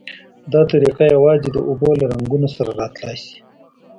دا طریقه یوازې د اوبو له رنګونو سره را تلای شي.